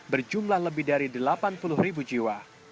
berjumlah lebih dari delapan puluh ribu jiwa